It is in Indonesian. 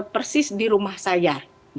persis di rumah saya